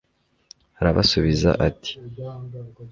arabasubiza ati